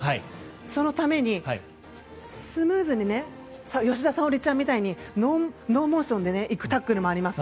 そのために、スムーズに吉田沙保里ちゃんみたいにノーモーションでいくタックルもあります。